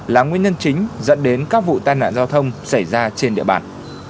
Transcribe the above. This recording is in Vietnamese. là nguyên nhân chính dẫn đến các vụ tai nạn giao thông xảy ra trên địa bàn